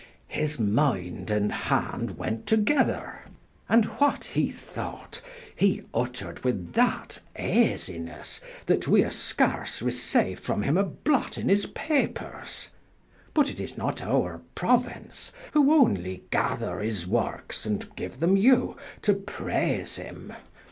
His mind and hand went together. And what he thought, he vttered with that easinesse, that wee haue scarse receiued from him a blot in his papers. But it is not our prouince, who onely gather his works, and giue them you, to praise him.